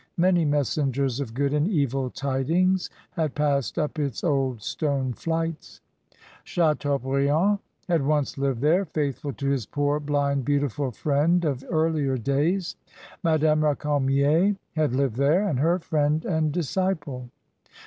Many messengers of good and evil tidings had passed up its old stone flights. Chateaubriand had once lived there, faithful to his poor blind, beautiful friend of earlier days. Madame Recamier had lived there, and her friend and dis ciple.